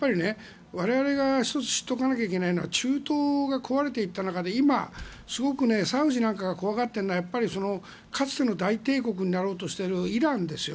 我々が知らないといけないのは中東が壊れていった中で今、サウジが怖がっているのはかつての大帝国になろうとしているイランですよ。